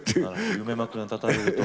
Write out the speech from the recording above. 夢枕に立たれると。